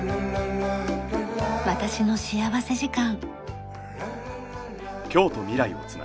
『私の幸福時間』。